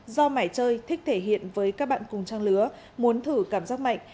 do mải chơi thích thể hiện với các bạn cùng trang lứa muốn thử cảm giác mạnh